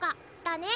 だね。